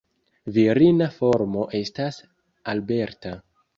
Virina formo estas "Alberta".